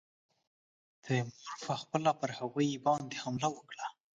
تیمور پخپله پر هغوی باندي حمله وکړه.